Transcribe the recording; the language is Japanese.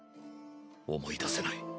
思い出せない。